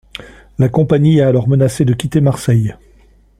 La compagnie a alors menacé de quitter Marseille.